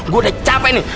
gua udah capek nih